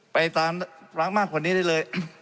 ไปตามร้างมากกว่านี้ได้เลย